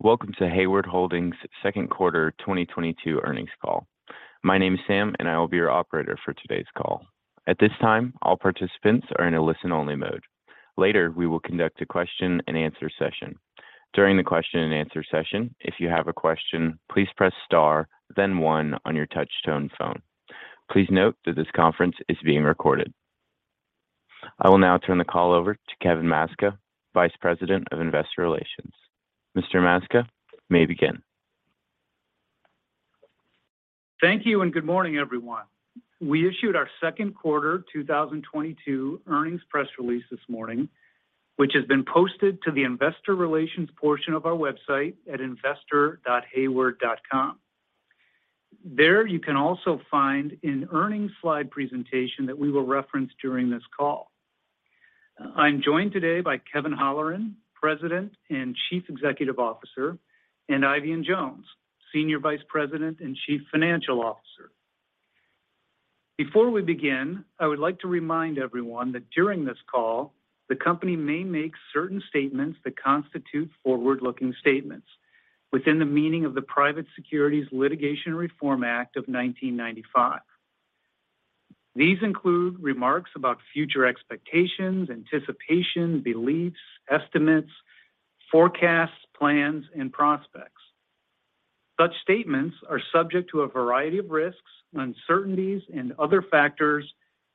Welcome to Hayward Holdings second quarter 2022 earnings call. My name is Sam, and I will be your operator for today's call. At this time, all participants are in a listen-only mode. Later, we will conduct a question and answer session. During the question and answer session, if you have a question, please press star then one on your touch tone phone. Please note that this conference is being recorded. I will now turn the call over to Kevin Maczka, Vice President of Investor Relations. Mr. Maczka, you may begin. Thank you and good morning, everyone. We issued our second quarter 2022 earnings press release this morning, which has been posted to the investor relations portion of our website at investor.hayward.com. There, you can also find an earnings slide presentation that we will reference during this call. I'm joined today by Kevin Holleran, President and Chief Executive Officer, and Eifion Jones, Senior Vice President and Chief Financial Officer. Before we begin, I would like to remind everyone that during this call, the company may make certain statements that constitute forward-looking statements within the meaning of the Private Securities Litigation Reform Act of 1995. These include remarks about future expectations, anticipation, beliefs, estimates, forecasts, plans, and prospects. Such statements are subject to a variety of risks, uncertainties, and other factors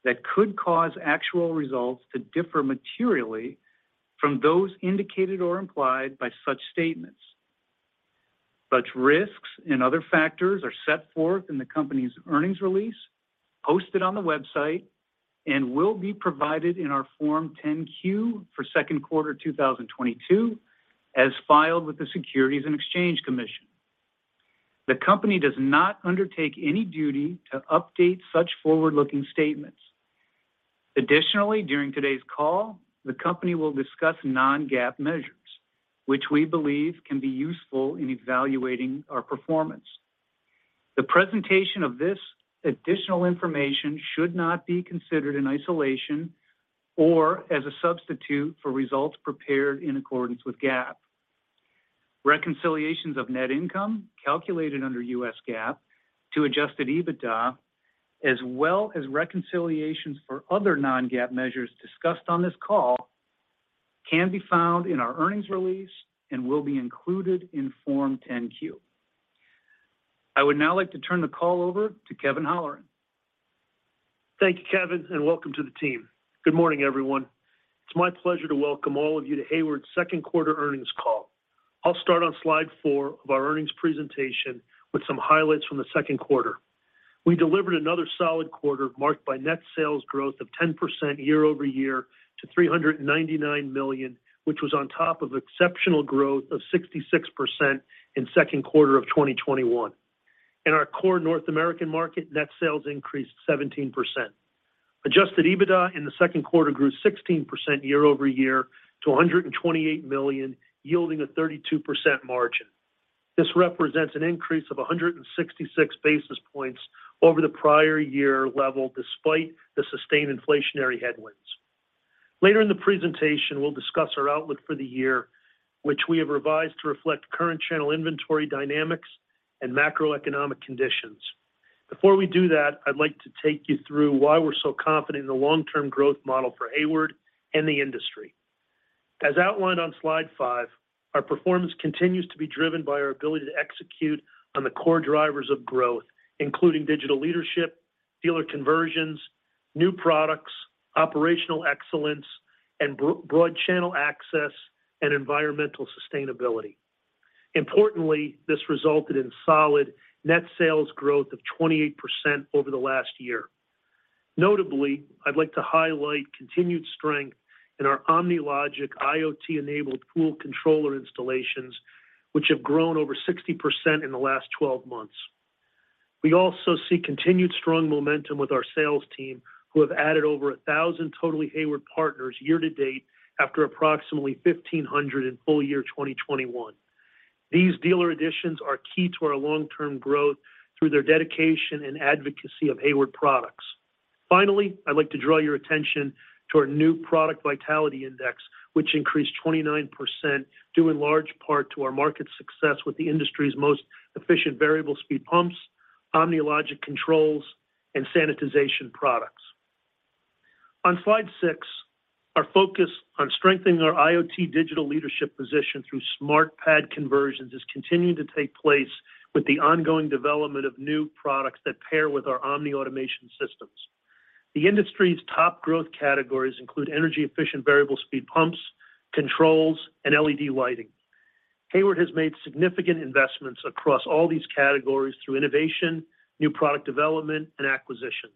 that could cause actual results to differ materially from those indicated or implied by such statements. Such risks and other factors are set forth in the company's earnings release posted on the website and will be provided in our Form 10-Q for second quarter 2022 as filed with the Securities and Exchange Commission. The company does not undertake any duty to update such forward-looking statements. Additionally, during today's call, the company will discuss non-GAAP measures which we believe can be useful in evaluating our performance. The presentation of this additional information should not be considered in isolation or as a substitute for results prepared in accordance with GAAP. Reconciliations of net income calculated under U.S. GAAP to adjusted EBITDA, as well as reconciliations for other non-GAAP measures discussed on this call can be found in our earnings release and will be included in Form 10-Q. I would now like to turn the call over to Kevin Holleran. Thank you, Kevin, and welcome to the team. Good morning, everyone. It's my pleasure to welcome all of you to Hayward's second quarter earnings call. I'll start on slide four of our earnings presentation with some highlights from the second quarter. We delivered another solid quarter marked by net sales growth of 10% year-over-year to $399 million, which was on top of exceptional growth of 66% in second quarter of 2021. In our core North American market, net sales increased 17%. Adjusted EBITDA in the second quarter grew 16% year-over-year to $128 million, yielding a 32% margin. This represents an increase of 166 basis points over the prior year level despite the sustained inflationary headwinds. Later in the presentation, we'll discuss our outlook for the year, which we have revised to reflect current channel inventory dynamics and macroeconomic conditions. Before we do that, I'd like to take you through why we're so confident in the long-term growth model for Hayward and the industry. As outlined on slide five, our performance continues to be driven by our ability to execute on the core drivers of growth, including digital leadership, dealer conversions, new products, operational excellence, and broad channel access and environmental sustainability. Importantly, this resulted in solid net sales growth of 28% over the last year. Notably, I'd like to highlight continued strength in our OmniLogic IoT-enabled pool controller installations, which have grown over 60% in the last 12 months. We also see continued strong momentum with our sales team, who have added over 1,000 Totally Hayward partners year to date after approximately 1,500 in full year 2021. These dealer additions are key to our long-term growth through their dedication and advocacy of Hayward products. Finally, I'd like to draw your attention to our New Product Vitality Index, which increased 29% due in large part to our market success with the industry's most efficient variable speed pumps, OmniLogic controls, and sanitization products. On slide six, our focus on strengthening our IoT digital leadership position through SmartPad conversions is continuing to take place with the ongoing development of new products that pair with our Omni automation systems. The industry's top growth categories include energy-efficient variable speed pumps, controls, and LED lighting. Hayward has made significant investments across all these categories through innovation, new product development, and acquisitions.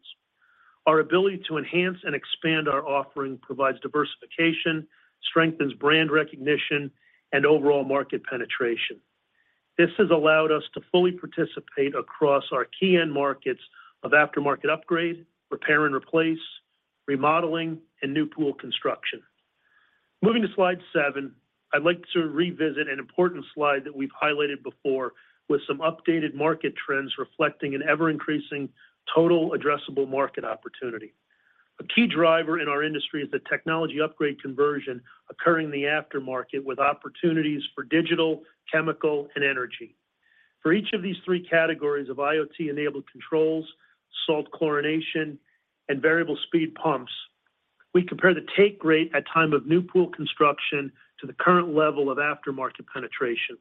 Our ability to enhance and expand our offering provides diversification, strengthens brand recognition, and overall market penetration. This has allowed us to fully participate across our key end markets of aftermarket upgrade, repair and replace, remodeling, and new pool construction. Moving to slide seven, I'd like to revisit an important slide that we've highlighted before with some updated market trends reflecting an ever-increasing total addressable market opportunity. A key driver in our industry is the technology upgrade conversion occurring in the aftermarket with opportunities for digital, chemical, and energy. For each of these three categories of IoT-enabled controls, salt chlorination, and variable speed pumps, we compare the take rate at time of new pool construction to the current level of aftermarket penetration.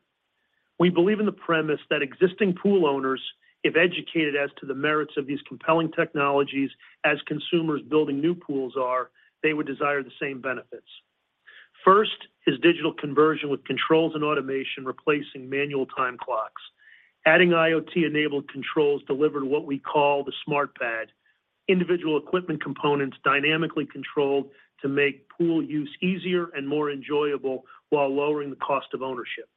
We believe in the premise that existing pool owners, if educated as to the merits of these compelling technologies as consumers building new pools are, they would desire the same benefits. First is digital conversion with controls and automation replacing manual time clocks. Adding IoT-enabled controls delivered what we call the SmartPad. Individual equipment components dynamically controlled to make pool use easier and more enjoyable while lowering the cost of ownership.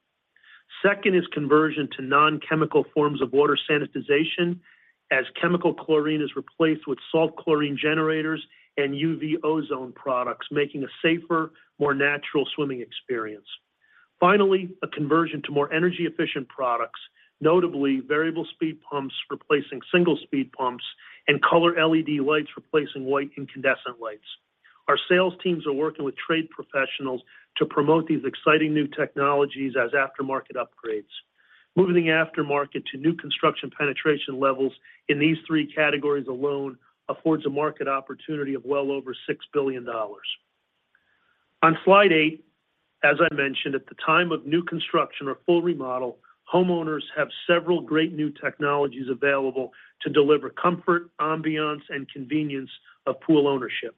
Second is conversion to non-chemical forms of water sanitization as chemical chlorine is replaced with salt chlorine generators and UV ozone products, making a safer, more natural swimming experience. Finally, a conversion to more energy-efficient products, notably variable speed pumps replacing single speed pumps and color LED lights replacing white incandescent lights. Our sales teams are working with trade professionals to promote these exciting new technologies as aftermarket upgrades. Moving the aftermarket to new construction penetration levels in these three categories alone affords a market opportunity of well over $6 billion. On slide eight, as I mentioned, at the time of new construction or full remodel, homeowners have several great new technologies available to deliver comfort, ambiance, and convenience of pool ownership.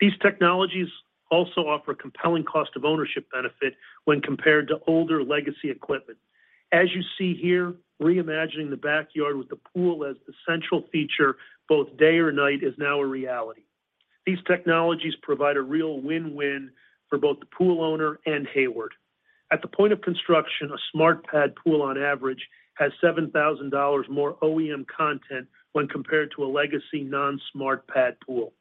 These technologies also offer compelling cost of ownership benefit when compared to older legacy equipment. As you see here, reimagining the backyard with the pool as the central feature both day or night is now a reality. These technologies provide a real win-win for both the pool owner and Hayward. At the point of construction, a SmartPad pool on average has $7,000 more OEM content when compared to a legacy non-SmartPad pool.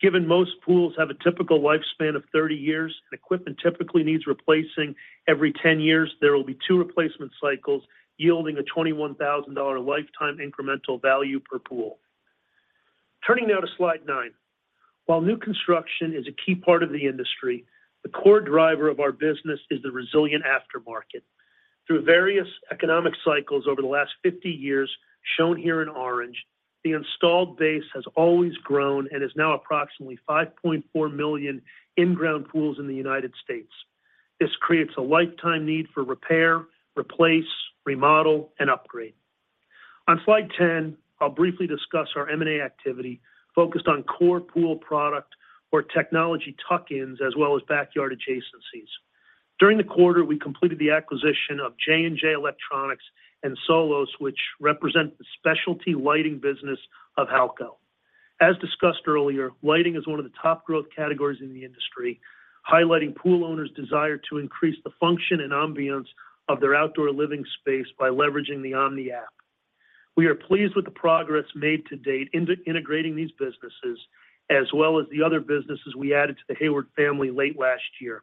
Given most pools have a typical lifespan of 30 years and equipment typically needs replacing every 10 years, there will be two replacement cycles yielding a $21,000 lifetime incremental value per pool. Turning now to slide nine. While new construction is a key part of the industry, the core driver of our business is the resilient aftermarket. Through various economic cycles over the last 50 years, shown here in orange, the installed base has always grown and is now approximately 5.4 million in-ground pools in the United States. This creates a lifetime need for repair, replace, remodel, and upgrade. On slide 10, I'll briefly discuss our M&A activity focused on core pool product or technology tuck-ins, as well as backyard adjacencies. During the quarter, we completed the acquisition of J&J Electronics and Sollos, which represent the specialty lighting business of Halco. As discussed earlier, lighting is one of the top growth categories in the industry, highlighting pool owners' desire to increase the function and ambiance of their outdoor living space by leveraging the Omni app. We are pleased with the progress made to date in integrating these businesses, as well as the other businesses we added to the Hayward family late last year.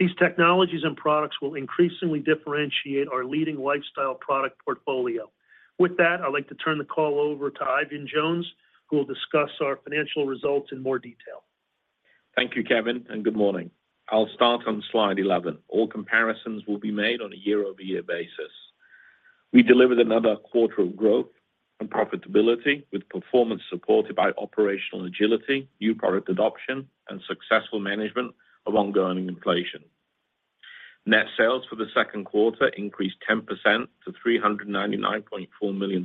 These technologies and products will increasingly differentiate our leading lifestyle product portfolio. With that, I'd like to turn the call over to Eifion Jones, who will discuss our financial results in more detail. Thank you, Kevin, and good morning. I'll start on slide 11. All comparisons will be made on a year-over-year basis. We delivered another quarter of growth and profitability with performance supported by operational agility, new product adoption, and successful management of ongoing inflation. Net sales for the second quarter increased 10% to $399.4 million.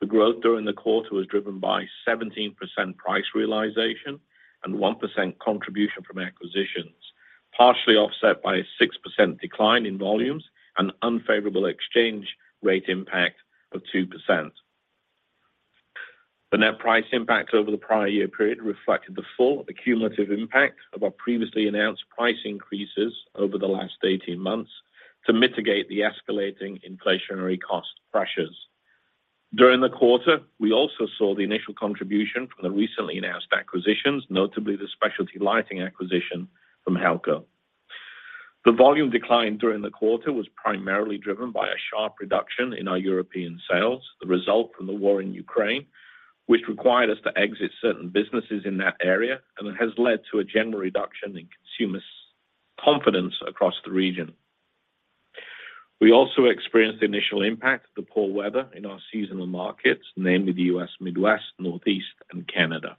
The growth during the quarter was driven by 17% price realization and 1% contribution from acquisitions, partially offset by a 6% decline in volumes and unfavorable exchange rate impact of 2%. The net price impact over the prior year period reflected the full accumulative impact of our previously announced price increases over the last 18 months to mitigate the escalating inflationary cost pressures. During the quarter, we also saw the initial contribution from the recently announced acquisitions, notably the specialty lighting acquisition from Halco. The volume decline during the quarter was primarily driven by a sharp reduction in our European sales, the result from the war in Ukraine, which required us to exit certain businesses in that area and has led to a general reduction in consumers' confidence across the region. We also experienced the initial impact of the poor weather in our seasonal markets, namely the U.S. Midwest, Northeast, and Canada.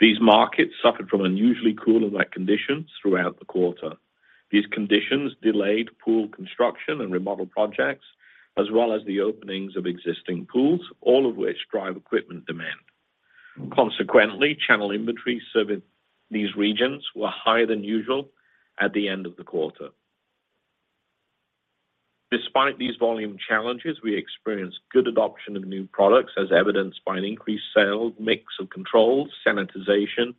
These markets suffered from unusually cool and wet conditions throughout the quarter. These conditions delayed pool construction and remodel projects, as well as the openings of existing pools, all of which drive equipment demand. Consequently, channel inventories serving these regions were higher than usual at the end of the quarter. Despite these volume challenges, we experienced good adoption of new products as evidenced by an increased sales mix of controls, sanitization,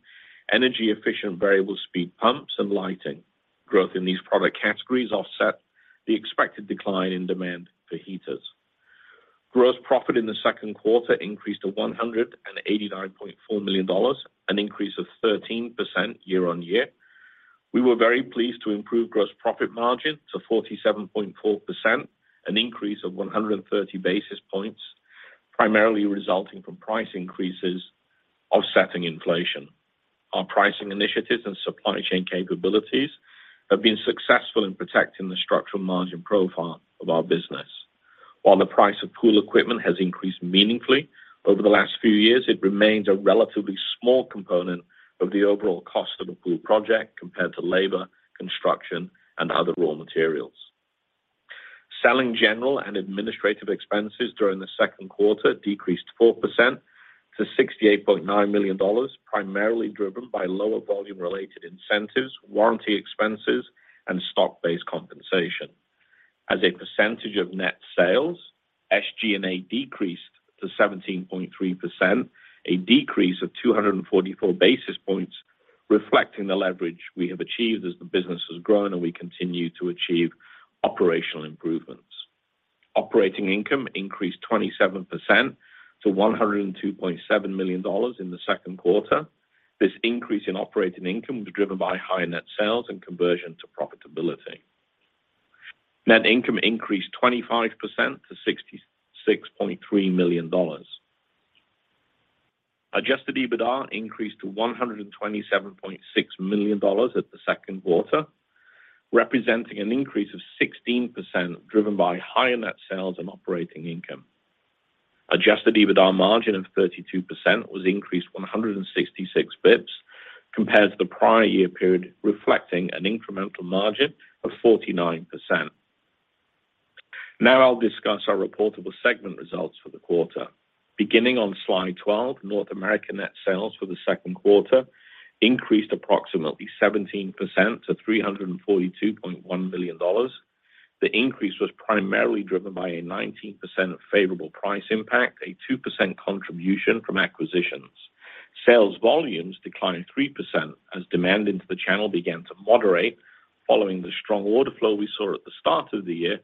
energy-efficient variable speed pumps, and lighting. Growth in these product categories offset the expected decline in demand for heaters. Gross profit in the second quarter increased to $189.4 million, an increase of 13% year-on-year. We were very pleased to improve gross profit margin to 47.4%, an increase of 130 basis points, primarily resulting from price increases offsetting inflation. Our pricing initiatives and supply chain capabilities have been successful in protecting the structural margin profile of our business. While the price of pool equipment has increased meaningfully over the last few years, it remains a relatively small component of the overall cost of a pool project compared to labor, construction, and other raw materials. Selling, general, and administrative expenses during the second quarter decreased 4% to $68.9 million, primarily driven by lower volume-related incentives, warranty expenses, and stock-based compensation. As a percentage of net sales, SG&A decreased to 17.3%, a decrease of 244 basis points reflecting the leverage we have achieved as the business has grown, and we continue to achieve operational improvements. Operating income increased 27% to $102.7 million in the second quarter. This increase in operating income was driven by higher net sales and conversion to profitability. Net income increased 25% to $66.3 million. Adjusted EBITDA increased to $127.6 million in the second quarter, representing an increase of 16% driven by higher net sales and operating income. Adjusted EBITDA margin of 32% increased 166 basis points compared to the prior year period, reflecting an incremental margin of 49%. Now I'll discuss our reportable segment results for the quarter. Beginning on slide 12, North America net sales for the second quarter increased approximately 17% to $342.1 million. The increase was primarily driven by a 19% favorable price impact, a 2% contribution from acquisitions. Sales volumes declined 3% as demand into the channel began to moderate following the strong order flow we saw at the start of the year,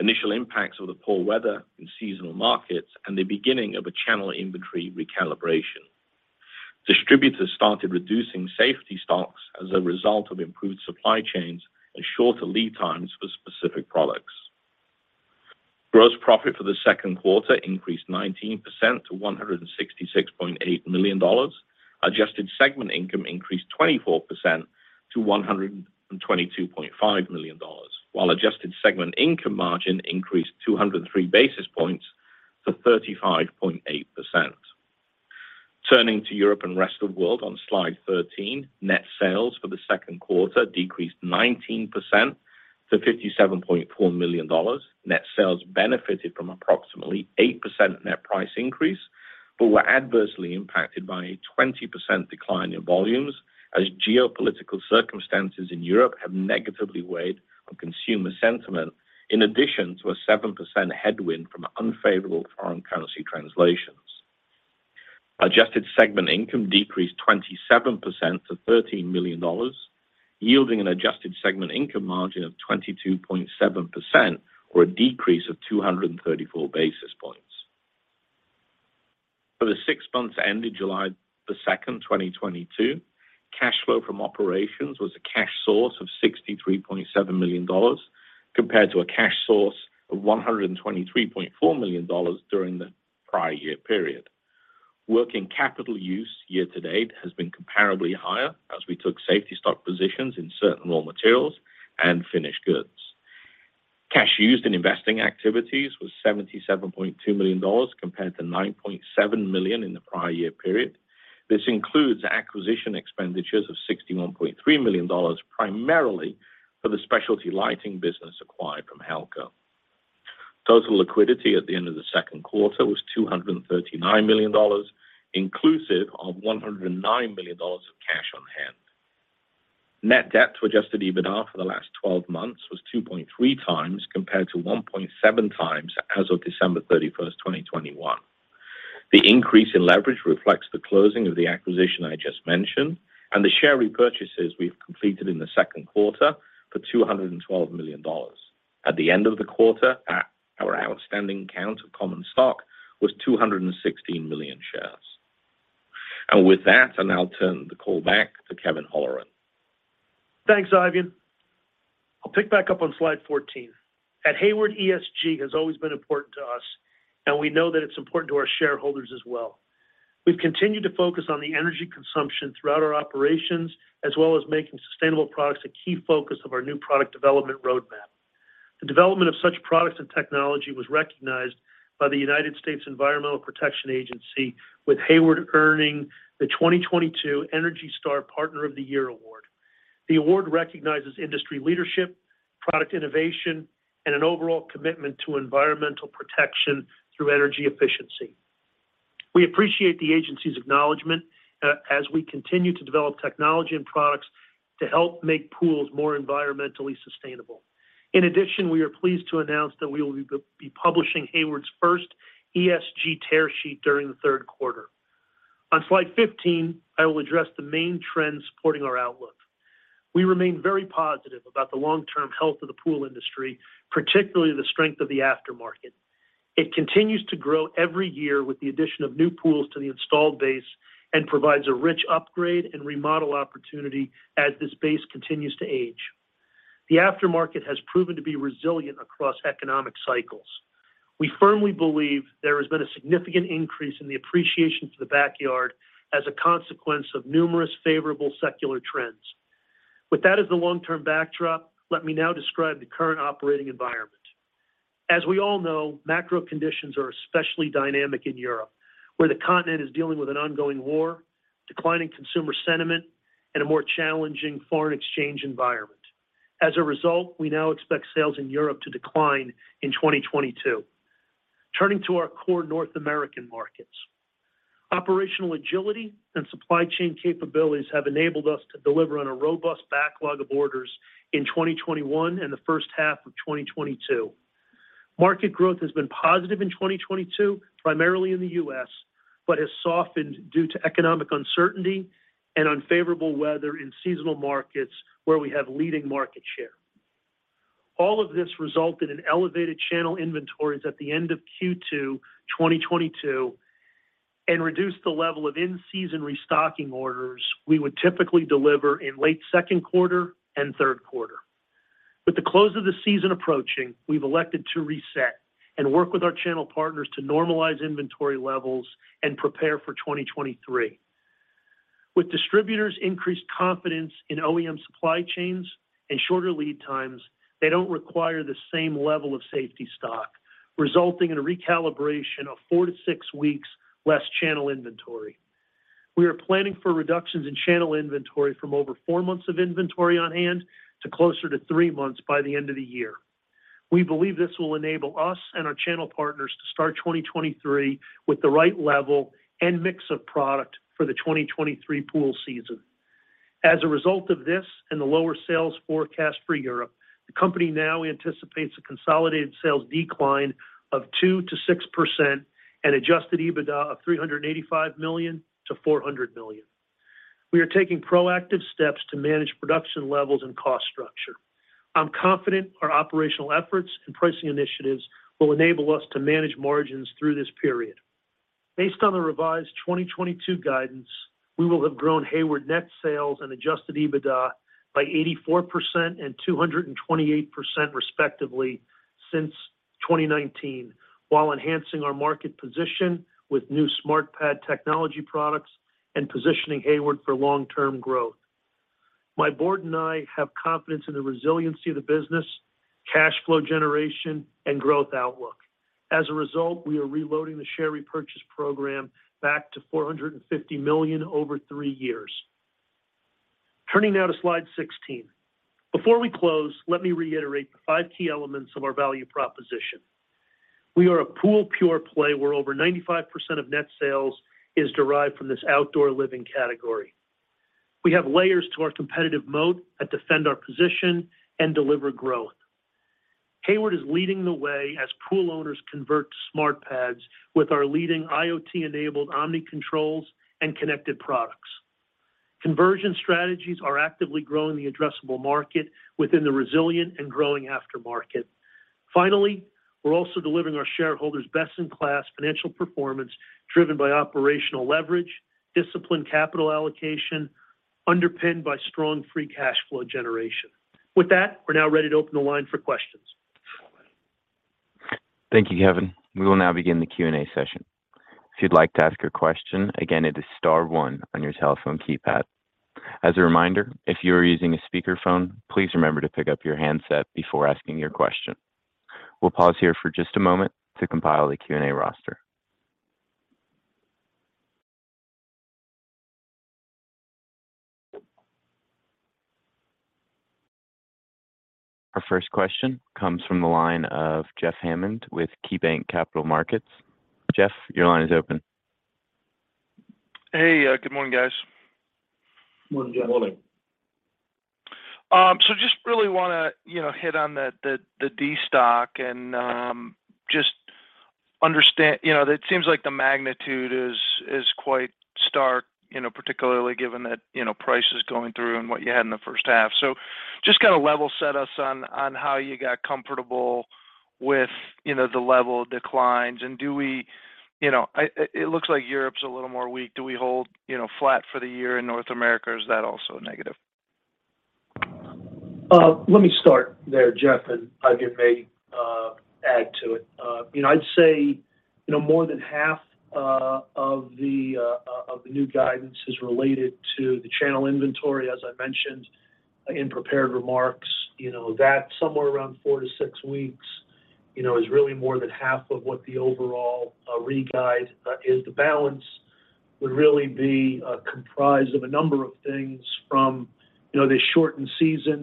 initial impacts of the poor weather in seasonal markets, and the beginning of a channel inventory recalibration. Distributors started reducing safety stocks as a result of improved supply chains and shorter lead times for specific products. Gross profit for the second quarter increased 19% to $166.8 million. Adjusted segment income increased 24% to $122.5 million, while adjusted segment income margin increased 203 basis points to 35.8%. Turning to Europe and Rest of World on slide 13, net sales for the second quarter decreased 19% to $57.4 million. Net sales benefited from approximately 8% net price increase, but were adversely impacted by a 20% decline in volumes as geopolitical circumstances in Europe have negatively weighed on consumer sentiment, in addition to a 7% headwind from unfavorable foreign currency translations. Adjusted segment income decreased 27% to $13 million, yielding an adjusted segment income margin of 22.7% or a decrease of 234 basis points. For the six months ended July the second, 2022, cash flow from operations was a cash source of $63.7 million compared to a cash source of $123.4 million during the prior year period. Working capital use year to date has been comparably higher as we took safety stock positions in certain raw materials and finished goods. Cash used in investing activities was $77.2 million compared to $9.7 million in the prior year period. This includes acquisition expenditures of $61.3 million, primarily for the specialty lighting business acquired from Halco. Total liquidity at the end of the second quarter was $239 million, inclusive of $109 million of cash on hand. Net debt to adjusted EBITDA for the last 12 months was 2.3x compared to 1.7x as of December 31st, 2021. The increase in leverage reflects the closing of the acquisition I just mentioned and the share repurchases we've completed in the second quarter for $212 million. At the end of the quarter, our outstanding count of common stock was 216 million shares. With that, I'll now turn the call back to Kevin Holleran. Thanks, Eifion. I'll pick back up on slide 14. At Hayward, ESG has always been important to us, and we know that it's important to our shareholders as well. We've continued to focus on the energy consumption throughout our operations, as well as making sustainable products a key focus of our new product development roadmap. The development of such products and technology was recognized by the United States Environmental Protection Agency, with Hayward earning the 2022 ENERGY STAR Partner of the Year award. The award recognizes industry leadership, product innovation, and an overall commitment to environmental protection through energy efficiency. We appreciate the agency's acknowledgment as we continue to develop technology and products to help make pools more environmentally sustainable. In addition, we are pleased to announce that we will be publishing Hayward's first ESG tear sheet during the third quarter. On slide 15, I will address the main trends supporting our outlook. We remain very positive about the long-term health of the pool industry, particularly the strength of the aftermarket. It continues to grow every year with the addition of new pools to the installed base and provides a rich upgrade and remodel opportunity as this base continues to age. The aftermarket has proven to be resilient across economic cycles. We firmly believe there has been a significant increase in the appreciation for the backyard as a consequence of numerous favorable secular trends. With that as the long-term backdrop, let me now describe the current operating environment. As we all know, macro conditions are especially dynamic in Europe, where the continent is dealing with an ongoing war, declining consumer sentiment, and a more challenging foreign exchange environment. As a result, we now expect sales in Europe to decline in 2022. Turning to our core North American markets. Operational agility and supply chain capabilities have enabled us to deliver on a robust backlog of orders in 2021 and the first half of 2022. Market growth has been positive in 2022, primarily in the U.S., but has softened due to economic uncertainty and unfavorable weather in seasonal markets where we have leading market share. All of this resulted in elevated channel inventories at the end of Q2 2022 and reduced the level of in-season restocking orders we would typically deliver in late second quarter and third quarter. With the close of the season approaching, we've elected to reset and work with our channel partners to normalize inventory levels and prepare for 2023. With distributors' increased confidence in OEM supply chains and shorter lead times, they don't require the same level of safety stock, resulting in a recalibration of four to six weeks less channel inventory. We are planning for reductions in channel inventory from over four months of inventory on hand to closer to three months by the end of the year. We believe this will enable us and our channel partners to start 2023 with the right level and mix of product for the 2023 pool season. As a result of this and the lower sales forecast for Europe, the company now anticipates a consolidated sales decline of 2%-6% and adjusted EBITDA of $385 million-$400 million. We are taking proactive steps to manage production levels and cost structure. I'm confident our operational efforts and pricing initiatives will enable us to manage margins through this period. Based on the revised 2022 guidance, we will have grown Hayward net sales and adjusted EBITDA by 84% and 228% respectively since 2019, while enhancing our market position with new SmartPad technology products and positioning Hayward for long-term growth. My board and I have confidence in the resiliency of the business, cash flow generation, and growth outlook. As a result, we are reloading the share repurchase program back to $450 million over three years. Turning now to slide 16. Before we close, let me reiterate the five key elements of our value proposition. We are a pool pure-play where over 95% of net sales is derived from this outdoor living category. We have layers to our competitive moat that defend our position and deliver growth. Hayward is leading the way as pool owners convert to SmartPads with our leading IoT-enabled Omni controls and connected products. Conversion strategies are actively growing the addressable market within the resilient and growing aftermarket. Finally, we're also delivering our shareholders best-in-class financial performance driven by operational leverage, disciplined capital allocation, underpinned by strong free cash flow generation. With that, we're now ready to open the line for questions. Thank you, Kevin. We will now begin the Q&A session. If you'd like to ask a question, again, it is star one on your telephone keypad. As a reminder, if you are using a speakerphone, please remember to pick up your handset before asking your question. We'll pause here for just a moment to compile the Q&A roster. Our first question comes from the line of Jeff Hammond with KeyBanc Capital Markets. Jeff, your line is open. Hey, good morning, guys. Morning, Jeff. Morning. Just really wanna, you know, hit on the destock and just understand. You know, it seems like the magnitude is quite stark, you know, particularly given that, you know, price is going through and what you had in the first half. Just kinda level set us on how you got comfortable with, you know, the level of declines. Do we, you know, it looks like Europe's a little more weak. Do we hold, you know, flat for the year in North America, or is that also negative? Let me start there, Jeff, and Eifion may add to it. You know, I'd say, you know, more than half of the new guidance is related to the channel inventory, as I mentioned in prepared remarks. You know, that somewhere around four to six weeks, you know, is really more than half of what the overall re-guide is. The balance would really be comprised of a number of things from, you know, the shortened season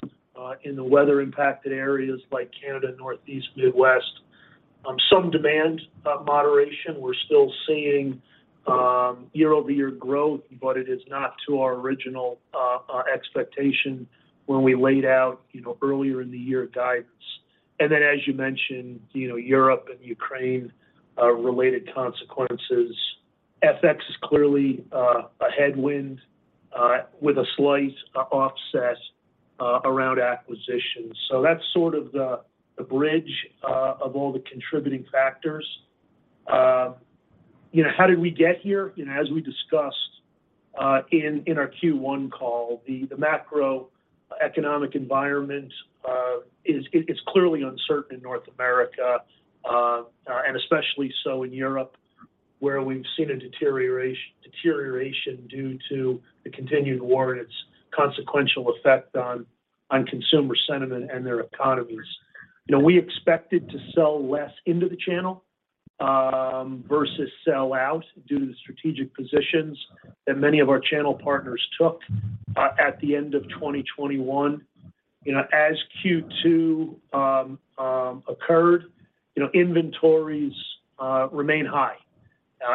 in the weather impacted areas like Canada, Northeast, Midwest. Some demand moderation. We're still seeing year-over-year growth, but it is not to our original expectation when we laid out, you know, earlier in the year guidance. Then, as you mentioned, you know, Europe and Ukraine-related consequences, FX is clearly a headwind with a slight offset around acquisitions. That's sort of the bridge of all the contributing factors. You know, how did we get here? You know, as we discussed in our Q1 call, the macroeconomic environment is—it's clearly uncertain in North America and especially so in Europe, where we've seen a deterioration due to the continued war and its consequential effect on consumer sentiment and their economies. You know, we expected to sell less into the channel versus sell out due to the strategic positions that many of our channel partners took at the end of 2021. You know, as Q2 occurred, you know, inventories remain high,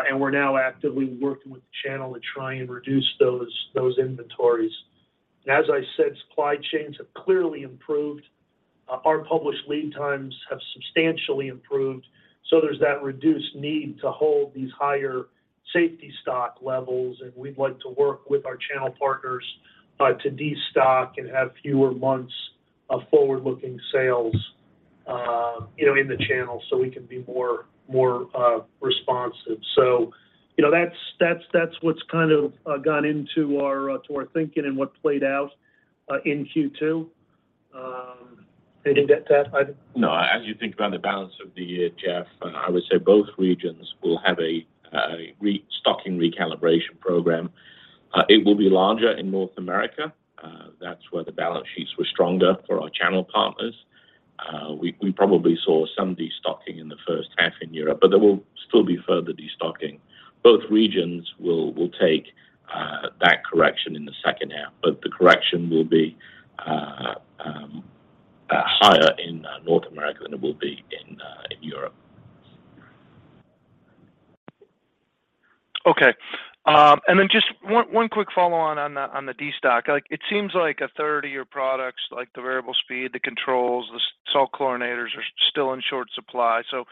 and we're now actively working with the channel to try and reduce those inventories. As I said, supply chains have clearly improved. Our published lead times have substantially improved, so there's that reduced need to hold these higher safety stock levels, and we'd like to work with our channel partners to destock and have fewer months of forward-looking sales, you know, in the channel, so we can be more responsive. You know, that's what's kind of gone into our thinking and what played out in Q2. Anything to add to that, Eifion? No. As you think about the balance of the year, Jeff, I would say both regions will have a restocking recalibration program. It will be larger in North America. That's where the balance sheets were stronger for our channel partners. We probably saw some destocking in the first half in Europe, but there will still be further destocking. Both regions will take that correction in the second half. The correction will be higher in North America than it will be in Europe. Okay. Just one quick follow-on on the destock. Like, it seems like a third of your products, like the variable speed, the controls, the salt chlorinators are still in short supply. You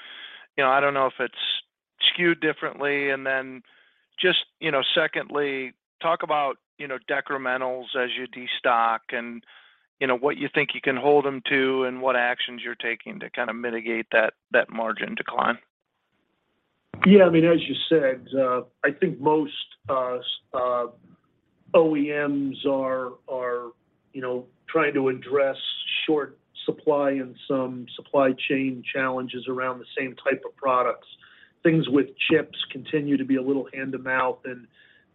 know, I don't know if it's skewed differently. Just, you know, secondly, talk about, you know, decrementals as you destock and, you know, what you think you can hold them to and what actions you're taking to kind of mitigate that margin decline. Yeah, I mean, as you said, I think most OEMs are, you know, trying to address short supply and some supply chain challenges around the same type of products. Things with chips continue to be a little hand-to-mouth, and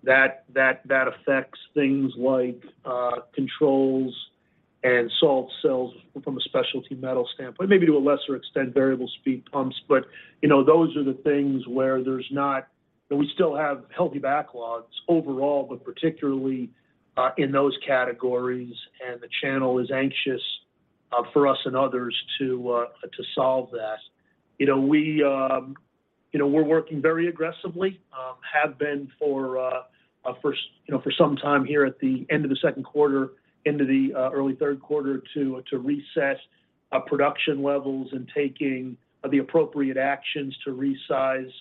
that affects things like controls and salt cells from a specialty metal standpoint, maybe to a lesser extent, variable speed pumps. You know, those are the things where there's not. You know, we still have healthy backlogs overall, but particularly in those categories, and the channel is anxious for us and others to solve that. You know, we, you know, we're working very aggressively, have been for, you know, for some time here at the end of the second quarter into the early third quarter to reset production levels and taking the appropriate actions to resize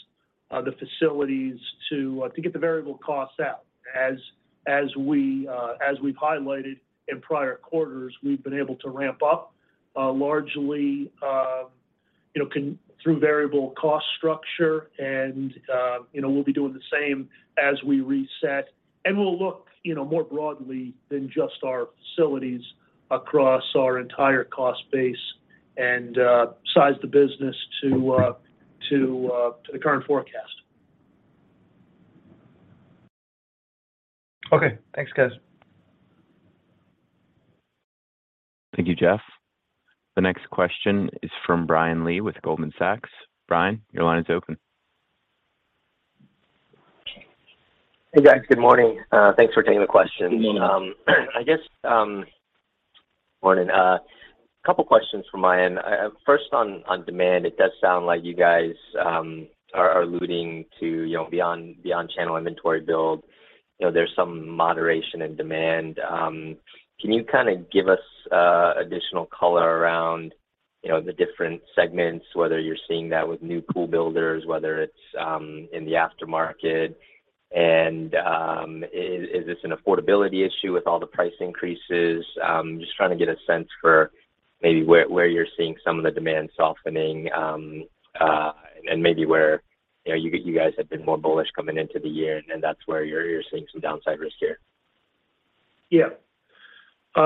the facilities to get the variable costs out. As we've highlighted in prior quarters, we've been able to ramp up largely, you know, through variable cost structure and, you know, we'll be doing the same as we reset. We'll look, you know, more broadly than just our facilities across our entire cost base and size the business to the current forecast. Okay. Thanks, guys. Thank you, Jeff. The next question is from Brian Lee with Goldman Sachs. Brian, your line is open. Hey, guys. Good morning. Thanks for taking the question. Good morning. Morning. A couple questions from my end. First on demand, it does sound like you guys are alluding to, you know, beyond channel inventory build. You know, there's some moderation in demand. Can you kind of give us additional color around, you know, the different segments, whether you're seeing that with new pool builders, whether it's in the aftermarket? Is this an affordability issue with all the price increases? Just trying to get a sense for maybe where you're seeing some of the demand softening, and maybe where you guys have been more bullish coming into the year and that's where you're seeing some downside risk here. Yeah. You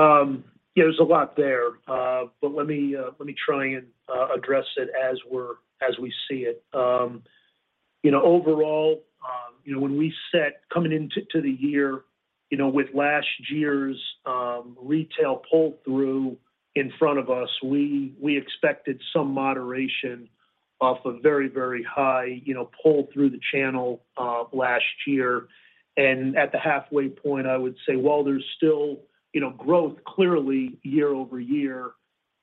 know, there's a lot there, but let me try and address it as we see it. You know, overall, you know, when we set coming into the year, you know, with last year's retail pull-through in front of us, we expected some moderation off a very, very high, you know, pull through the channel last year. At the halfway point, I would say while there's still, you know, growth clearly year-over-year,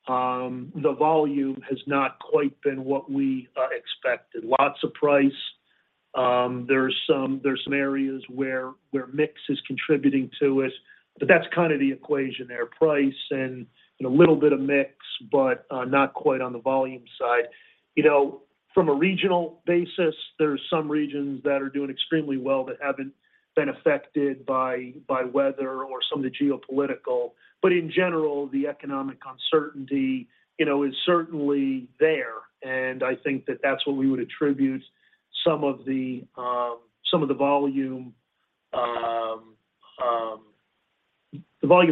the volume has not quite been what we expected. Lots of price. There's some areas where mix is contributing to it, but that's kind of the equation there, price and, you know, a little bit of mix. Not quite on the volume side. You know, from a regional basis, there's some regions that are doing extremely well that haven't been affected by weather or some of the geopolitical. But in general, the economic uncertainty, you know, is certainly there. I think that that's what we would attribute some of the volume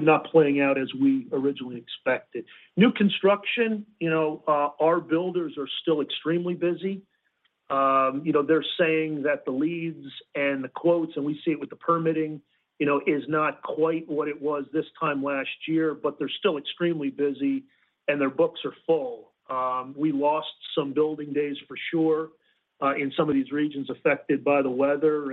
not playing out as we originally expected. New construction, you know, our builders are still extremely busy. You know, they're saying that the leads and the quotes, and we see it with the permitting, you know, is not quite what it was this time last year, but they're still extremely busy, and their books are full. We lost some building days for sure in some of these regions affected by the weather.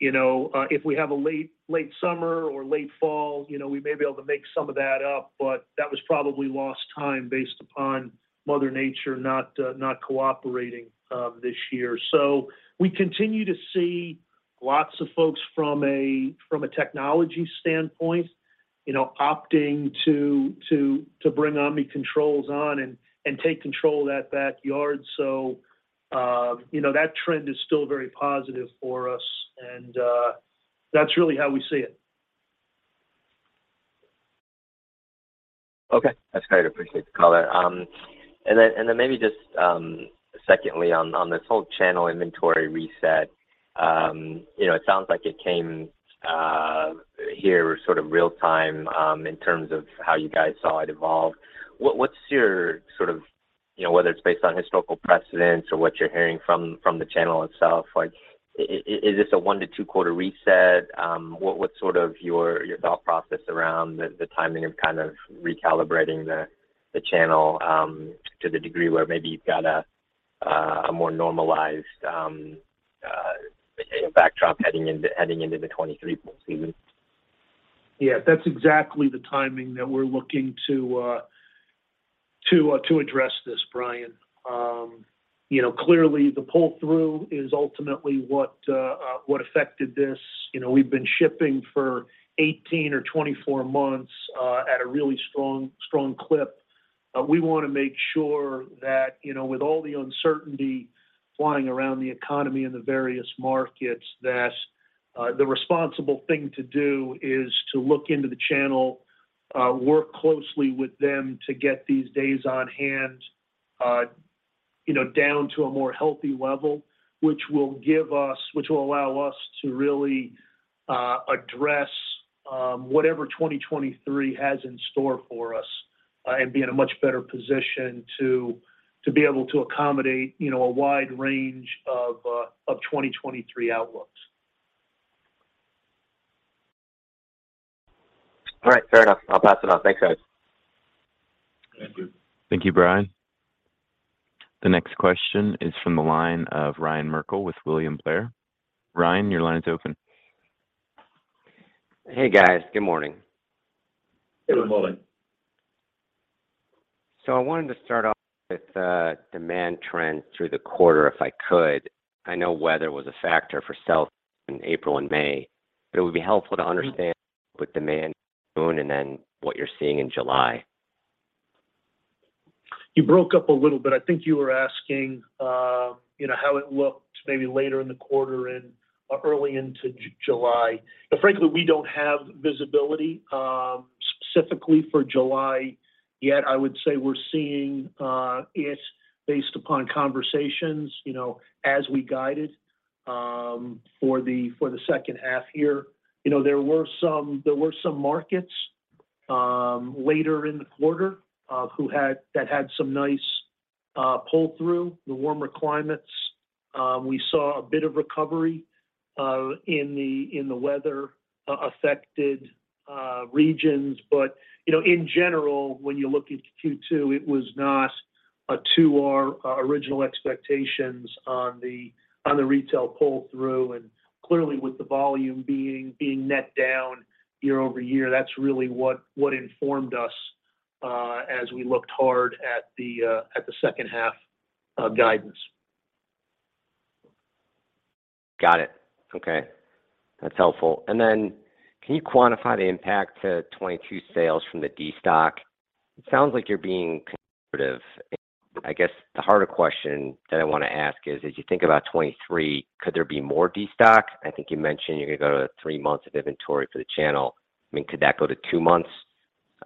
You know, if we have a late summer or late fall, you know, we may be able to make some of that up, but that was probably lost time based upon mother nature not cooperating this year. We continue to see lots of folks from a technology standpoint, you know, opting to bring Omni controls on and take control of that backyard. You know, that trend is still very positive for us and that's really how we see it. Okay. That's great. Appreciate the color. Maybe just secondly on this whole channel inventory reset, you know, it sounds like it came here sort of real time in terms of how you guys saw it evolve. What's your sort of, you know, whether it's based on historical precedents or what you're hearing from the channel itself. Like, is this a one to two quarter reset? What's sort of your thought process around the timing of kind of recalibrating the channel to the degree where maybe you've got a more normalized, you know, backdrop heading into the 2023 pool season? Yeah, that's exactly the timing that we're looking to address this, Brian. You know, clearly the pull-through is ultimately what affected this. You know, we've been shipping for 18 or 24 months at a really strong clip. We wanna make sure that, you know, with all the uncertainty flying around the economy and the various markets, that the responsible thing to do is to look into the channel, work closely with them to get these days on hand, you know, down to a more healthy level, which will allow us to really address whatever 2023 has in store for us, and be in a much better position to be able to accommodate, you know, a wide range of 2023 outlooks. All right. Fair enough. I'll pass it on. Thanks, guys. Thank you. Thank you, Brian. The next question is from the line of Ryan Merkel with William Blair. Ryan, your line is open. Hey, guys. Good morning. Good morning. I wanted to start off with demand trends through the quarter, if I could. I know weather was a factor for South in April and May, but it would be helpful to understand seasonal demand and then what you're seeing in July. You broke up a little bit. I think you were asking, you know, how it looked maybe later in the quarter and early into July. Frankly, we don't have visibility, specifically for July yet. I would say we're seeing it based upon conversations, you know, as we guided, for the second half here. You know, there were some markets later in the quarter that had some nice pull-through, the warmer climates. We saw a bit of recovery in the weather-affected regions. You know, in general, when you look at Q2, it was not to our original expectations on the retail pull-through. Clearly, with the volume being net down year-over-year, that's really what informed us, as we looked hard at the second half guidance. Got it. Okay. That's helpful. Can you quantify the impact to 2022 sales from the destock? It sounds like you're being conservative. I guess the harder question that I wanna ask is, as you think about 2023, could there be more destock? I think you mentioned you're gonna go to three months of inventory for the channel. I mean, could that go to two months?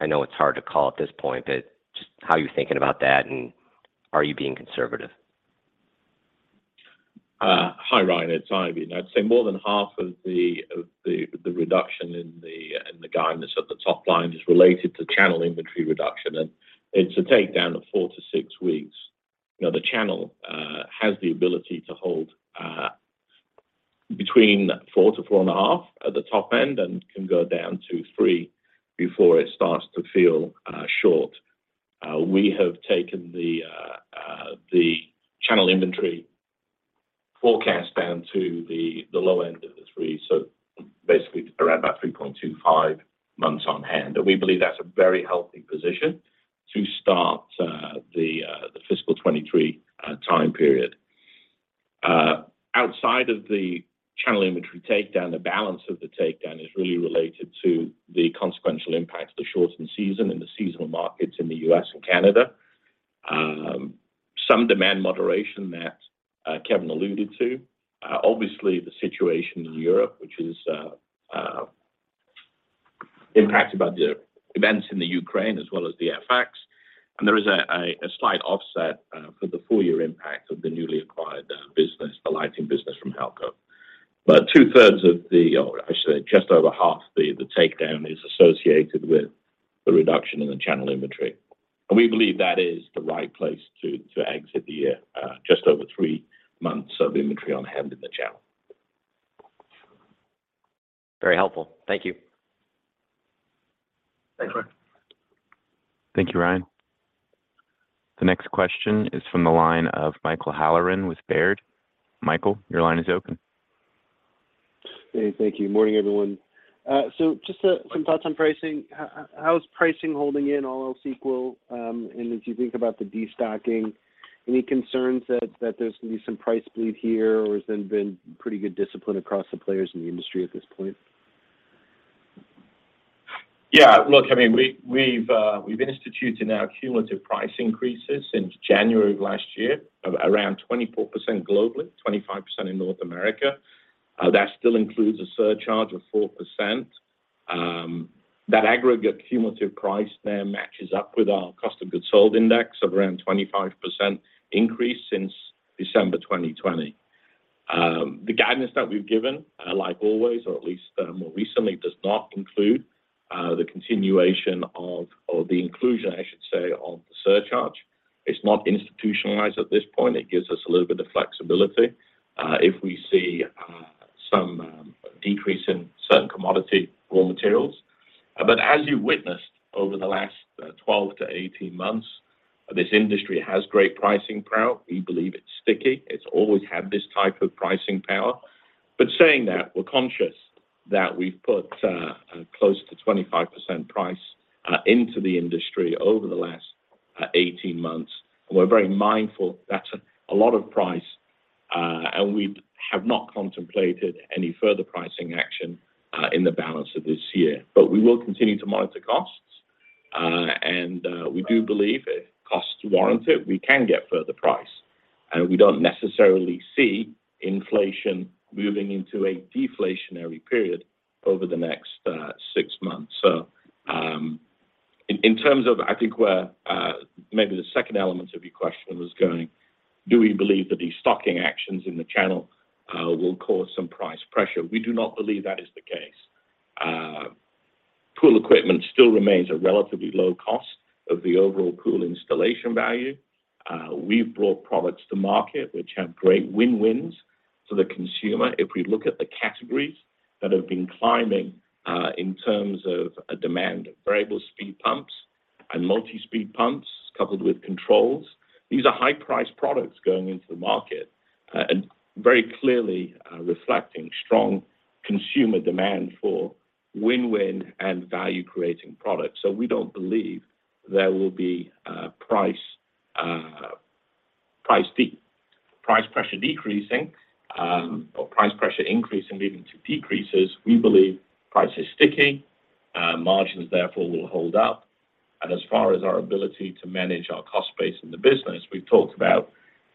I know it's hard to call at this point, but just how you're thinking about that, and are you being conservative? Hi, Ryan. It's Eifion. I'd say more than half of the reduction in the guidance at the top line is related to channel inventory reduction, and it's a takedown of four to six weeks. The channel has the ability to hold between four to four and a half at the top end and can go down to three before it starts to feel short. We have taken the channel inventory forecast down to the low end of the three, so basically around about 3.25 months on hand. We believe that's a very healthy position to start the fiscal 2023 time period. Outside of the channel inventory takedown, the balance of the takedown is really related to the consequential impact of the shortened season and the seasonal markets in the U.S. and Canada. Some demand moderation that Kevin alluded to. Obviously the situation in Europe, which is impacted by the events in the Ukraine as well as the FX. There is a slight offset for the full year impact of the newly acquired business, the lighting business from Halco. 2/3 of the—or I should say just over half the takedown is associated with the reduction in the channel inventory. We believe that is the right place to exit the year, just over three months of inventory on hand in the channel. Very helpful. Thank you. Thanks, Ryan. Thank you, Ryan. The next question is from the line of Michael Halloran with Baird. Michael, your line is open. Hey, thank you. Morning, everyone. Just some thoughts on pricing. How's pricing holding in all else equal? As you think about the destocking, any concerns that there's gonna be some price bleed here, or has there been pretty good discipline across the players in the industry at this point? Yeah. Look, I mean, we've been instituting our cumulative price increases since January of last year of around 24% globally, 25% in North America. That still includes a surcharge of 4%. That aggregate cumulative price there matches up with our cost of goods sold index of around 25% increase since December 2020. The guidance that we've given, like always or at least more recently, does not include the continuation of or the inclusion, I should say, of the surcharge. It's not institutionalized at this point. It gives us a little bit of flexibility if we see some decrease in certain commodity raw materials. But as you witnessed over the last 12-18 months, this industry has great pricing power. We believe it's sticky. It's always had this type of pricing power. Saying that, we're conscious that we've put close to 25% price into the industry over the last 18 months. We're very mindful that's a lot of price, and we have not contemplated any further pricing action in the balance of this year. We will continue to monitor costs, and we do believe if costs warrant it, we can get further price. We don't necessarily see inflation moving into a deflationary period over the next six months. In terms of I think where maybe the second element of your question was going, do we believe that these stocking actions in the channel will cause some price pressure? We do not believe that is the case. Pool equipment still remains a relatively low cost of the overall pool installation value. We've brought products to market which have great win-wins for the consumer. If we look at the categories that have been climbing in terms of a demand, variable speed pumps and multi-speed pumps coupled with controls, these are high priced products going into the market and very clearly reflecting strong consumer demand for win-win and value creating products. We don't believe there will be price pressure decreasing or price pressure increasing leading to decreases. We believe price is sticky, margins therefore will hold up. As far as our ability to manage our cost base in the business, we've talked about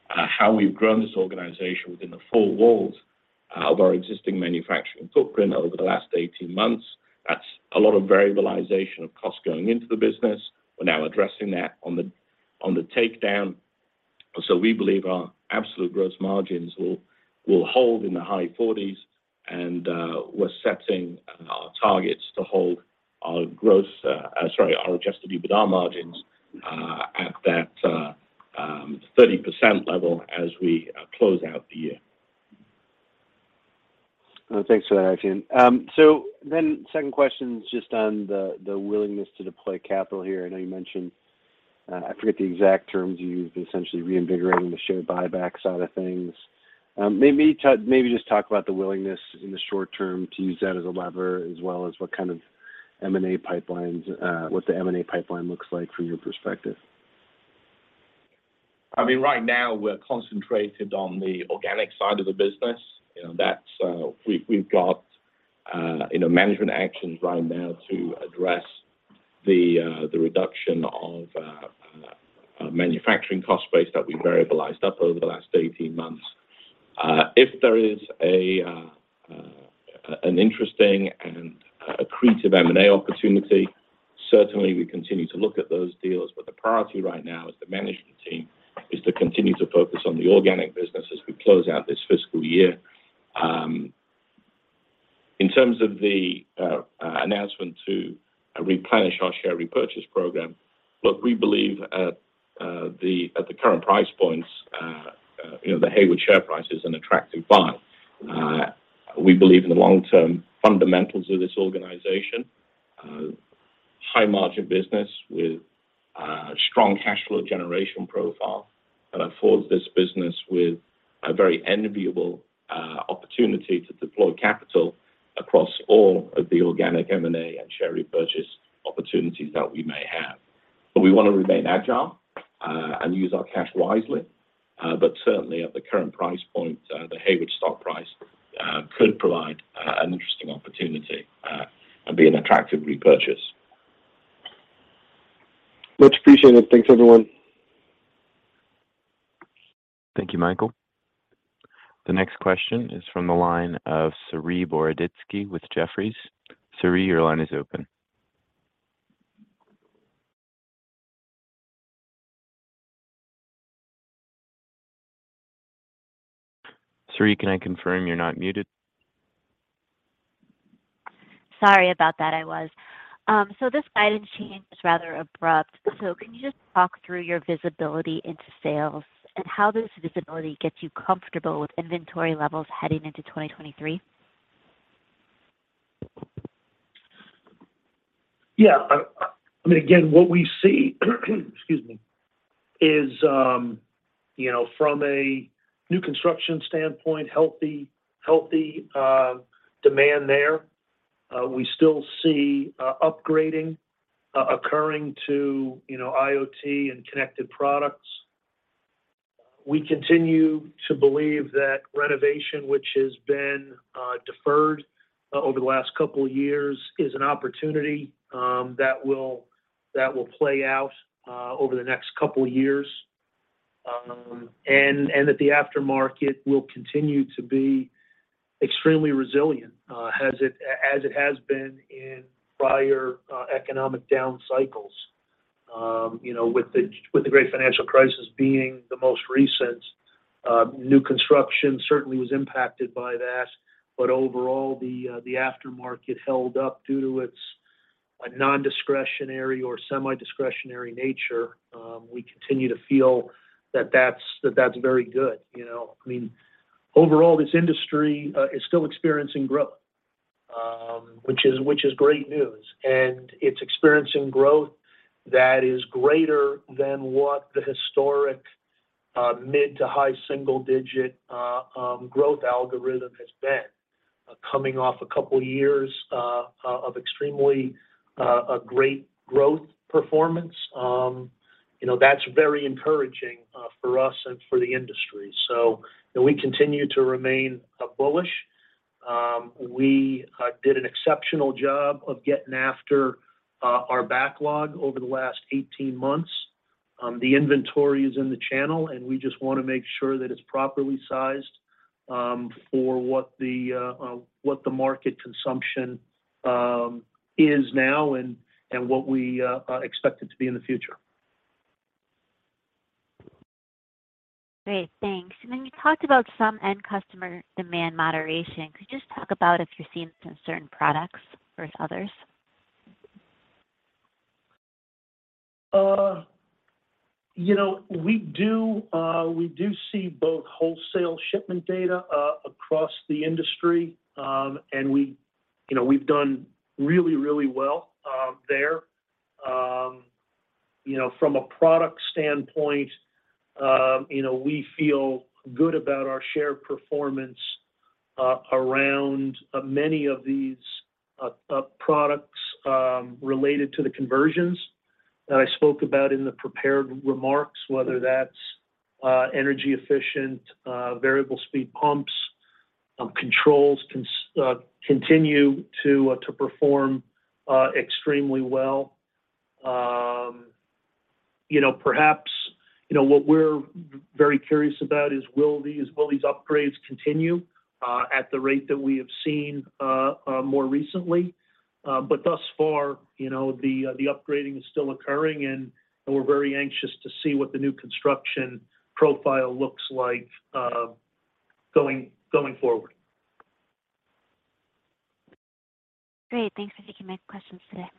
how we've grown this organization within the four walls of our existing manufacturing footprint over the last 18 months. That's a lot of variabilization of cost going into the business. We're now addressing that on the takedown. We believe our absolute gross margins will hold in the high 40s% and we're setting our targets to hold our adjusted EBITDA margins at that 30% level as we close out the year. Thanks for that, Eifion. Second question is just on the willingness to deploy capital here. I know you mentioned, I forget the exact terms you used, but essentially reinvigorating the share buyback side of things. Maybe just talk about the willingness in the short-term to use that as a lever, as well as what the M&A pipeline looks like from your perspective. I mean, right now we're concentrated on the organic side of the business. You know, that's we've got you know management actions right now to address the reduction of manufacturing cost base that we variabilized up over the last 18 months. If there is an interesting and accretive M&A opportunity, certainly we continue to look at those deals, but the priority right now is the management team is to continue to focus on the organic business as we close out this fiscal year. In terms of the announcement to replenish our share repurchase program, look, we believe at the current price points you know the Hayward share price is an attractive buy. We believe in the long-term fundamentals of this organization, high margin business with, strong cash flow generation profile that affords this business with a very enviable opportunity to deploy capital across all of the organic M&A and share repurchase opportunities that we may have. We wanna remain agile, and use our cash wisely. Certainly at the current price point, the Hayward stock price could provide an interesting opportunity, and be an attractive repurchase. Much appreciated. Thanks everyone. Thank you, Michael. The next question is from the line of Saree Boroditsky with Jefferies. Saree, your line is open. Saree, can I confirm you're not muted? Sorry about that. This guidance change is rather abrupt. Can you just talk through your visibility into sales and how this visibility gets you comfortable with inventory levels heading into 2023? Yeah. I mean, again, what we see, excuse me, is, you know, from a new construction standpoint, healthy demand there. We still see upgrading occurring to, you know, IoT and connected products. We continue to believe that renovation, which has been deferred over the last couple years is an opportunity that will play out over the next couple years. That the aftermarket will continue to be extremely resilient as it has been in prior economic down cycles. You know, with the great financial crisis being the most recent, new construction certainly was impacted by that. Overall, the aftermarket held up due to its non-discretionary or semi-discretionary nature. We continue to feel that that's very good, you know. I mean, overall, this industry is still experiencing growth, which is great news, and it's experiencing growth that is greater than what the historic mid- to high-single-digit growth algorithm has been. Coming off a couple years of extremely great growth performance, you know, that's very encouraging for us and for the industry. You know, we continue to remain bullish. We did an exceptional job of getting after our backlog over the last 18 months. The inventory is in the channel, and we just wanna make sure that it's properly sized for what the what the market consumption is now and and what we expect it to be in the future. Great. Thanks. You talked about some end customer demand moderation. Could you just talk about if you're seeing this in certain products versus others? You know, we do see both wholesale shipment data across the industry, and we, you know, we've done really well there. You know, from a product standpoint, you know, we feel good about our share performance around many of these products related to the conversions that I spoke about in the prepared remarks, whether that's energy-efficient variable speed pumps. Controls continue to perform extremely well. You know, perhaps, you know, what we're very curious about is will these upgrades continue at the rate that we have seen more recently? Thus far, you know, the upgrading is still occurring, and we're very anxious to see what the new construction profile looks like going forward. Great. Thanks for taking my questions today.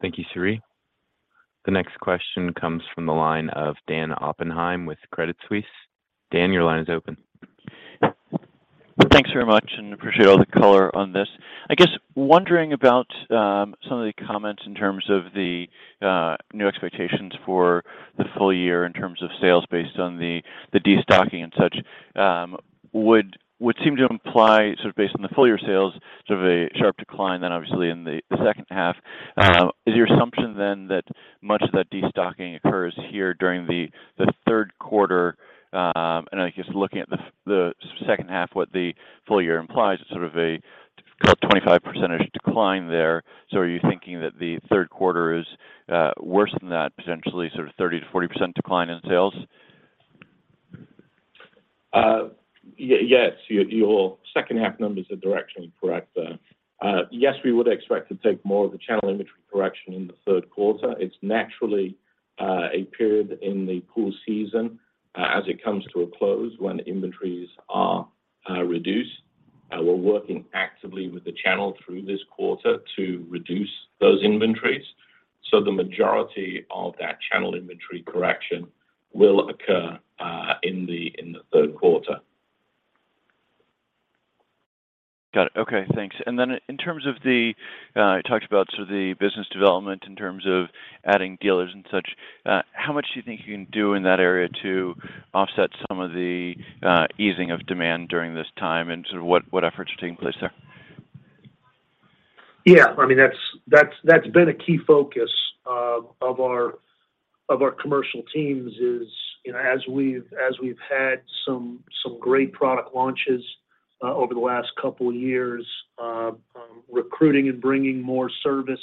Thank you, Saree. The next question comes from the line of Dan Oppenheim with Credit Suisse. Dan, your line is open. Thanks very much and appreciate all the color on this. I guess wondering about some of the comments in terms of the new expectations for the full year in terms of sales based on the destocking and such, would seem to imply sort of based on the full year sales, sort of a sharp decline then obviously in the second half. Is your assumption then that much of that destocking occurs here during the third quarter? I guess looking at the second half, what the full year implies is sort of a 25% decline there. Are you thinking that the third quarter is worse than that, potentially sort of 30%-40% decline in sales? Yes, your second half numbers are directionally correct there. Yes, we would expect to take more of the channel inventory correction in the third quarter. It's naturally a period in the pool season as it comes to a close when inventories are reduced. We're working actively with the channel through this quarter to reduce those inventories. The majority of that channel inventory correction will occur in the third quarter. Got it. Okay, thanks. In terms of the you talked about sort of the business development in terms of adding dealers and such, how much do you think you can do in that area to offset some of the easing of demand during this time, and sort of what efforts are taking place there? Yeah, I mean, that's been a key focus of our commercial teams is, you know, as we've had some great product launches over the last couple years, recruiting and bringing more service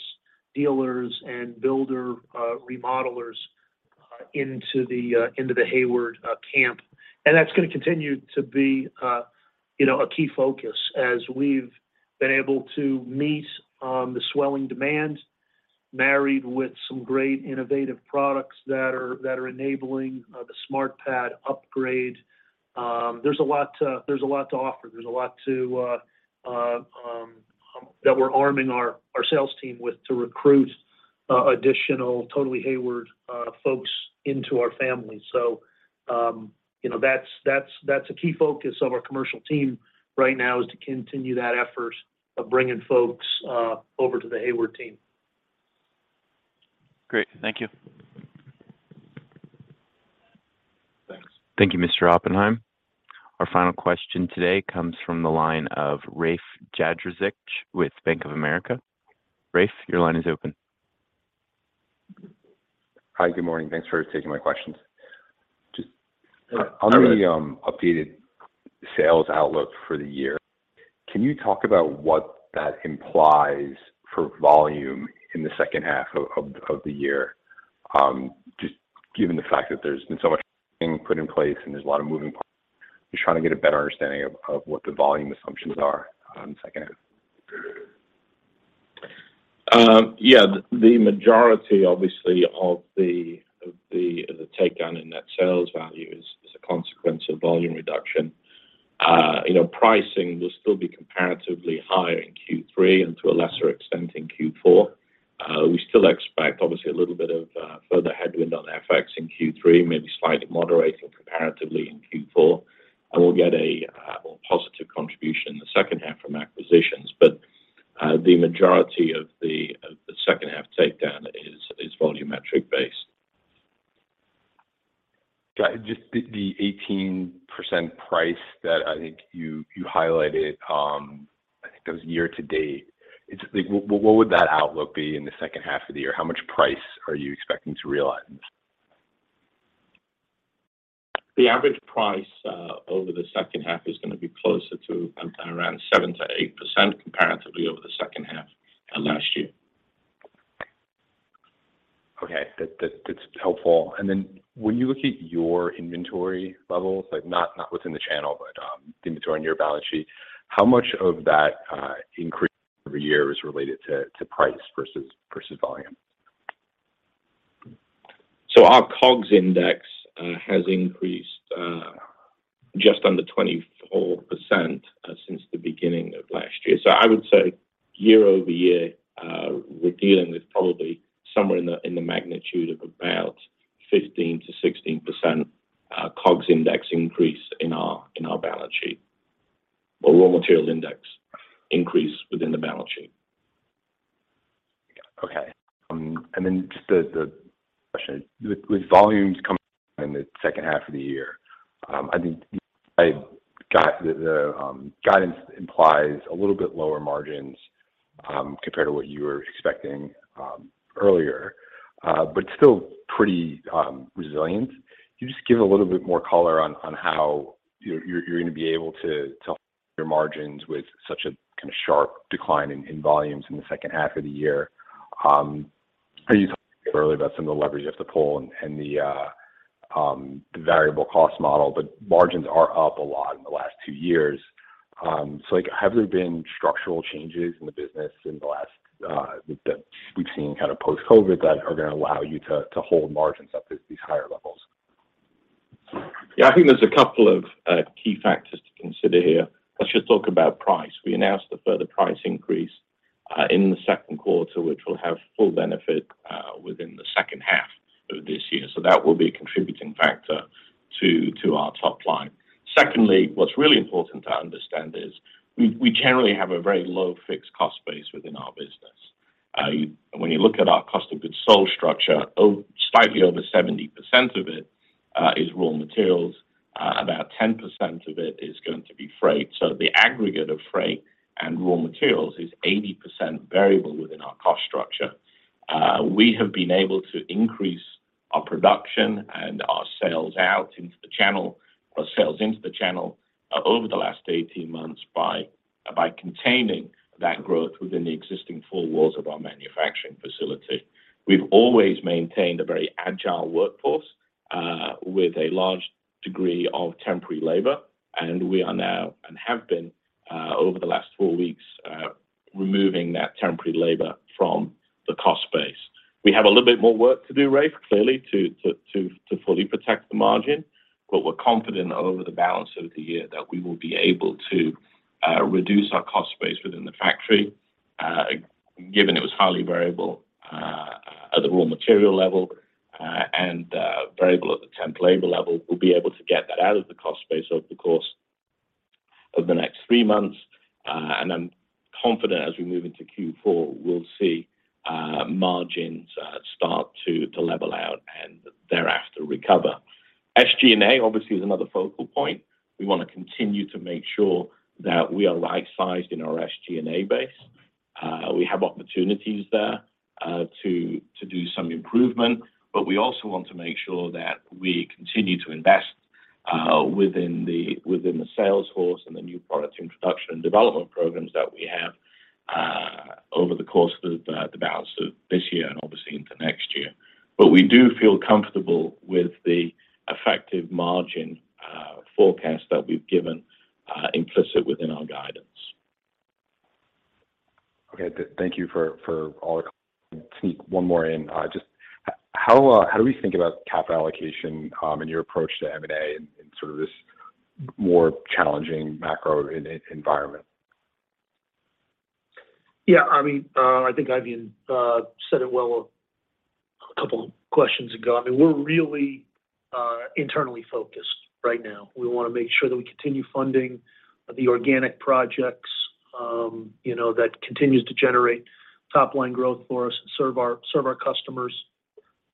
dealers and builder remodelers into the Hayward camp. That's gonna continue to be, you know, a key focus as we've been able to meet the swelling demand married with some great innovative products that are enabling the SmartPad upgrade. There's a lot to offer. There's a lot to that we're arming our sales team with to recruit additional Totally Hayward folks into our family. You know, that's a key focus of our commercial team right now is to continue that effort of bringing folks over to the Hayward team. Great. Thank you. Thanks. Thank you, Mr. Oppenheim. Our final question today comes from the line of Rafe Jadrosich with Bank of America. Rafe, your line is open. Hi. Good morning. Thanks for taking my questions. Hi, Rafe. On the updated sales outlook for the year, can you talk about what that implies for volume in the second half of the year, just given the fact that there's been so much being put in place and there's a lot of moving parts? Just trying to get a better understanding of what the volume assumptions are, second half. Yeah. The majority obviously of the takedown in net sales value is a consequence of volume reduction. You know, pricing will still be comparatively higher in Q3 and to a lesser extent in Q4. We still expect obviously a little bit of further headwind on FX in Q3, maybe slightly moderating comparatively in Q4. We'll get a more positive contribution in the second half from acquisitions, but the majority of the second half takedown is volume-based. Got it. Just the 18% price that I think you highlighted, I think that was year to date. It's just like what would that outlook be in the second half of the year? How much price are you expecting to realize? The average price over the second half is gonna be closer to around 7%-8% comparatively over the second half of last year. Okay. That's helpful. Then when you look at your inventory levels, like not what's in the channel, but the inventory on your balance sheet, how much of that increase over year is related to price versus volume? Our COGS index has increased just under 24% since the beginning of last year. I would say year-over-year, we're dealing with probably somewhere in the magnitude of about 15%-16% COGS index increase in our balance sheet, or raw material index increase within the balance sheet. Okay. Just the question, with volumes coming in the second half of the year, I think the guidance implies a little bit lower margins compared to what you were expecting earlier, but still pretty resilient. Can you just give a little bit more color on how you're gonna be able to up your margins with such a kinda sharp decline in volumes in the second half of the year? You talked earlier about some of the leverage you have to pull and the variable cost model, but margins are up a lot in the last two years. Like, have there been structural changes in the business in the last that we've seen kind of post-COVID that are gonna allow you to hold margins up at these higher levels? Yeah. I think there's a couple of key factors to consider here. Let's just talk about price. We announced a further price increase in the second quarter, which will have full benefit within the second half of this year. That will be a contributing factor to our top line. Secondly, what's really important to understand is we generally have a very low fixed cost base within our business. When you look at our cost of goods sold structure, slightly over 70% of it is raw materials. About 10% of it is going to be freight. The aggregate of freight and raw materials is 80% variable within our cost structure. We have been able to increase our production and our sales into the channel over the last 18 months by containing that growth within the existing four walls of our manufacturing facility. We've always maintained a very agile workforce with a large degree of temporary labor, and we are now and have been over the last four weeks removing that temporary labor from the cost base. We have a little bit more work to do, Rafe, clearly to fully protect the margin, but we're confident over the balance of the year that we will be able to reduce our cost base within the factory, given it was highly variable at the raw material level, and variable at the temp labor level. We'll be able to get that out of the cost base over the course of the next three months. I'm confident as we move into Q4, we'll see margins start to level out and thereafter recover. SG&A obviously is another focal point. We wanna continue to make sure that we are right-sized in our SG&A base. We have opportunities there to do some improvement, but we also want to make sure that we continue to invest within the sales force and the new product introduction and development programs that we have over the course of the balance of this year and obviously into next year. We do feel comfortable with the effective margin forecast that we've given implicit within our guidance. Okay. Thank you for all. Sneak one more in. Just how do we think about capital allocation and your approach to M&A in sort of this more challenging macro environment? Yeah, I mean, I think Eifion said it well a couple of questions ago. I mean, we're really internally focused right now. We wanna make sure that we continue funding the organic projects, you know, that continues to generate top-line growth for us and serve our customers.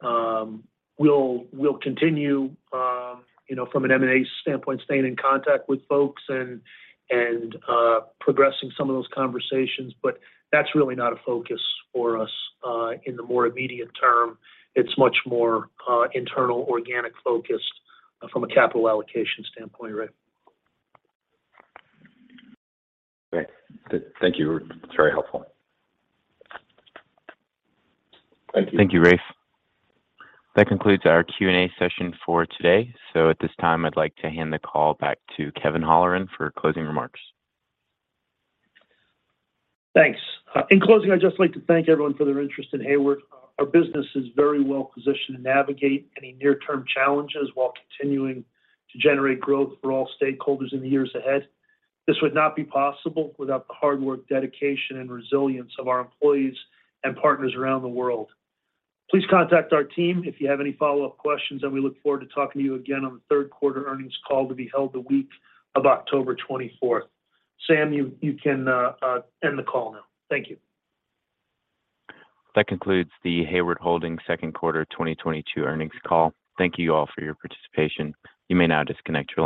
We'll continue, you know, from an M&A standpoint, staying in contact with folks and progressing some of those conversations, but that's really not a focus for us in the more immediate term. It's much more internal organic focused from a capital allocation standpoint, Rafe. Great. Thank you. Very helpful. Thank you. Thank you, Rafe. That concludes our Q&A session for today. At this time, I'd like to hand the call back to Kevin Holleran for closing remarks. Thanks. In closing, I'd just like to thank everyone for their interest in Hayward. Our business is very well positioned to navigate any near-term challenges while continuing to generate growth for all stakeholders in the years ahead. This would not be possible without the hard work, dedication, and resilience of our employees and partners around the world. Please contact our team if you have any follow-up questions, and we look forward to talking to you again on the third quarter earnings call to be held the week of October 24th. Sam, you can end the call now. Thank you. That concludes the Hayward Holdings second quarter 2022 earnings call. Thank you all for your participation. You may now disconnect your lines.